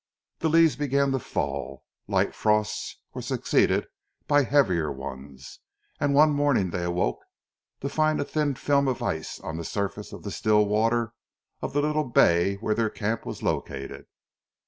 The leaves began to fall, light frosts were succeeded by heavier ones, and one morning they awoke to find a thin film of ice on the surface of the still water of the little bay where their camp was located.